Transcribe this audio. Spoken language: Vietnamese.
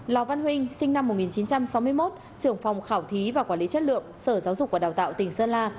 lò văn huynh sinh năm một nghìn chín trăm sáu mươi một trưởng phòng khảo thí và quản lý chất lượng sở giáo dục và đào tạo tỉnh sơn la